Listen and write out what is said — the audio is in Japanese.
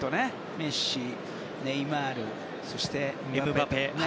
メッシ、ネイマールそしてエムバペ。